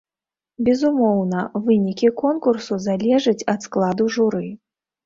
Безумоўна, вынікі конкурсу залежаць ад складу журы.